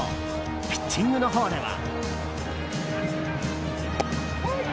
ピッチングのほうでは。